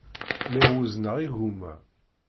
Lliɣ wezzneɣ igumma.